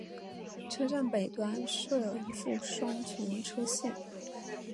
车站北端设有一副双存车线。